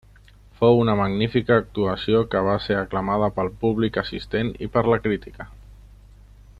Fou una magnífica actuació que va ser aclamada pel públic assistent i per la crítica.